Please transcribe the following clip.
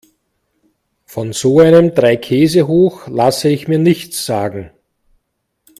Von so einem Dreikäsehoch lasse ich mir nichts sagen.